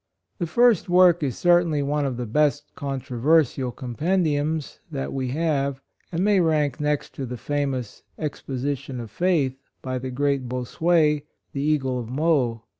The first work is certainly one of the best controversial compendiums that we have, and may rank next to the fa mous " Exposition of Faith," by the great Bossuet, "the Eagle of Meaux."